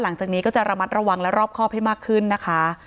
หลังจากนี้ก็จะระมัดระวังและรอบครอบให้มากขึ้นนะคะ